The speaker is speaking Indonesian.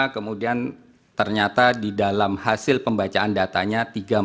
dua ratus sembilan puluh lima kemudian ternyata di dalam hasil pembacaan datanya tiga ratus empat puluh lima